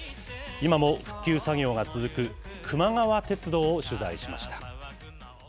今も復旧作業が続く、くま川鉄道を取材しました。